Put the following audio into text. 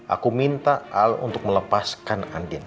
aku minta al untuk melepaskan andin